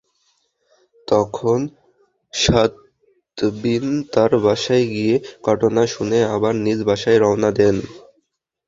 তখন সাদবীন তাঁর বাসায় গিয়ে ঘটনা শুনে আবার নিজ বাসায় রওনা দেন।